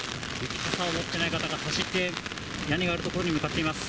傘を持ってない方が走って、屋根がある所に向かっています。